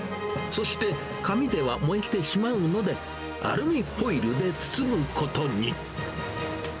そして、紙では燃えてしまうので、アルミホイルで包むことに。